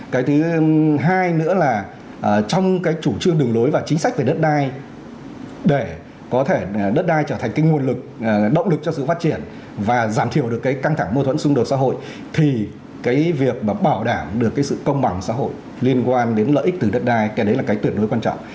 cái thứ hai nữa là trong cái chủ trương đường lối và chính sách về đất đai để có thể đất đai trở thành cái nguồn lực động lực cho sự phát triển và giảm thiểu được cái căng thẳng mô thuẫn xung đột xã hội thì cái việc mà bảo đảm được cái sự công bằng xã hội liên quan đến lợi ích từ đất đai cái đấy là cái tuyệt đối quan trọng